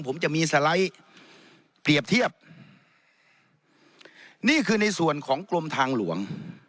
ผมจะมีสไลด์เปรียบเทียบนี่คือในส่วนของกรมทางหลวง